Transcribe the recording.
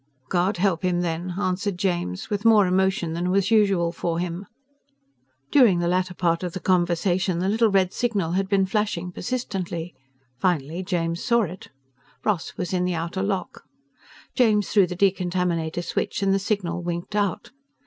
"God help him then," answered James, with more emotion than was usual for him. During the latter part of the conversation, the little red signal had been flashing persistently. Finally James saw it. Ross was in the outer lock. James threw the decontaminator switch and the signal winked out.